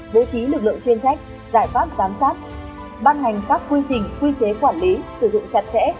bố trí lực lượng chuyên trách giải pháp giám sát ban hành các quy trình quy chế quản lý sử dụng chặt chẽ